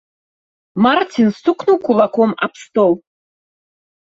Марцін стукнуў кулаком аб стол.